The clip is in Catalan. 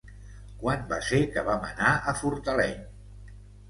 Quan va ser que vam anar a Fortaleny?